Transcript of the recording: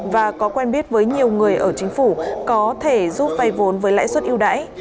và có quen biết với nhiều người ở chính phủ có thể giúp vay vốn với lãi suất yêu đáy